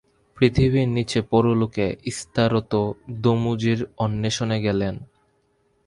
পৃথিবীর নীচে পরলোকে ইস্তারত দমুজির অন্বেষণে গেলেন।